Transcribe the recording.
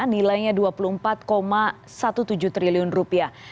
nilainya dua puluh empat tujuh belas triliun rupiah